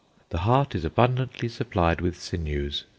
The heart is abundantly supplied with sinews....